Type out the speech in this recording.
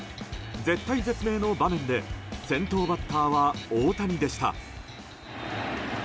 絶体絶命の場面で先頭バッターは大谷でした。